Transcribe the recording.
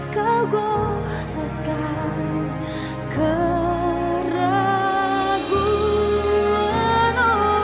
kau goreskan keraguan